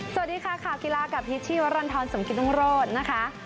สวัสดีค่ะข่าวกีฬากับพิชชีวรรณฑรสมกิตรุงโรธนะคะ